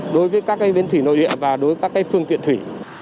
đối với các bến thủy nội địa và đối với các phương tiện thủy